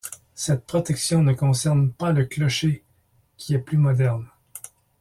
Cette protection ne concerne pas le clocher qui est plus moderne.